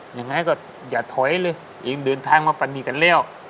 ยังไงก็อย่าถอยเลยเองเดินทางมาปรณีกันแล้ว